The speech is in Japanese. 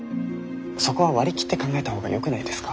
そこは割り切って考えた方がよくないですか？